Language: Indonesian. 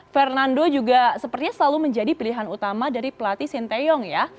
fernando juga sepertinya selalu menjadi pilihan utama dari pelatih sinteyong ya